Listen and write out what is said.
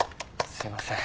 すいません。